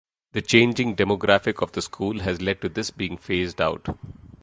The changing demographic of the school has led to this being phased out.